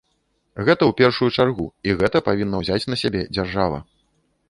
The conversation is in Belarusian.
Гэта ў першую чаргу, і гэта павінна ўзяць на сябе дзяржава.